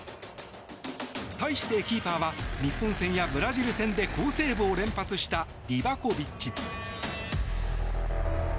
対して、キーパーは日本戦やブラジル戦で好セーブを連発したリバコビッチ。